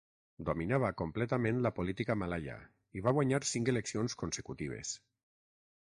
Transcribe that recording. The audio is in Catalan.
Dominava completament la política malaia i va guanyar cinc eleccions consecutives.